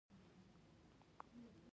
آیا د ایران راډیو او تلویزیون دولتي نه دي؟